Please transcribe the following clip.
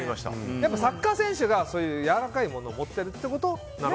やっぱサッカー選手がやわらかいものを持ってるってことなの？